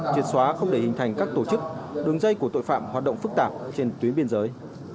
triệt xóa không để hình thành các tổ chức đường dây của tội phạm hoạt động phức tạp trên tuyến biên giới